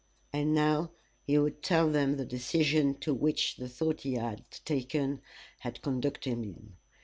And now he would tell them the decision to which the thought he had taken had conducted him.